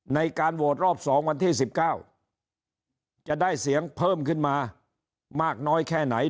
ในการโหวตรอบ๒วันที่๑๙จะได้เสียงเพิ่มขึ้นมามากน้อยแค่ไหน